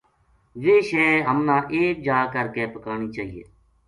ویہ شے ہمنا ایک جا کر کے پکانی چاہیے